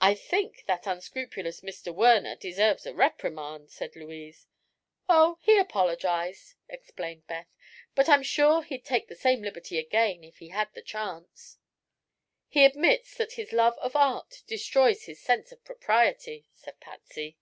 "I think that unscrupulous Mr. Werner deserves a reprimand," said Louise. "Oh, he apologized," explained Beth. "But I'm sure he'd take the same liberty again if he had the chance." "He admits that his love of art destroys his sense of propriety," said Patsy.